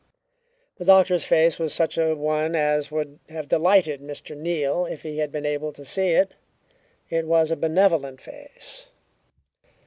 The doctor's face was such a one as would have delighted Mr. Neal if he had been able to see it. It was a benevolent face.